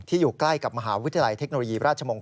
อยู่ใกล้กับมหาวิทยาลัยเทคโนโลยีราชมงคล